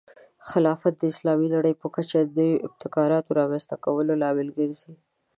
خلافت د اسلامي نړۍ په کچه د نوو ابتکاراتو د رامنځته کولو لامل ګرځي.